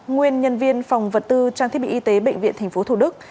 nguyên nhân viên phòng vật tư trang thiết bị y tế bệnh viện tp thủ đức